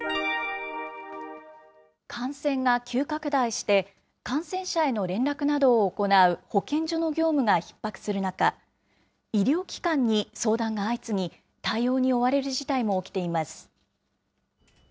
感染が急拡大して、感染者への連絡などを行う保健所の業務がひっ迫する中、医療機関に相談が相次ぎ、対応に追われる事態も起きています。